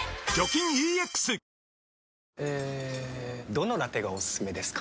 どのラテがおすすめですか？